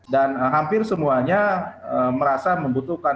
dan hampir semuanya merasa membutuhkan